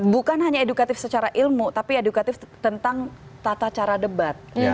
bukan hanya edukatif secara ilmu tapi edukatif tentang tata cara debat